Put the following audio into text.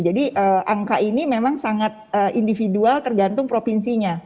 jadi angka ini memang sangat individual tergantung provinsi